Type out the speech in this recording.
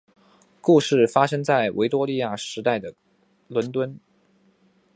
故事发生在维多利亚时代的伦敦。